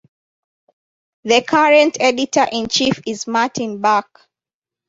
The current editor-in-chief is Martin Bach.